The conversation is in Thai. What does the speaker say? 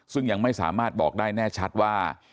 ซึ่งยังไม่สามารถบอกได้แน่ชัดว่า